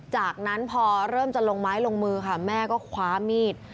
จากนั้นพอเริ่มจะลงไม้ลงมือค่ะแม่ก็คว้ามีด